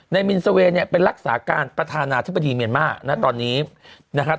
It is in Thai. มินเซอร์เวย์เนี่ยเป็นรักษาการประธานาธิบดีเมียนมาร์นะตอนนี้นะครับ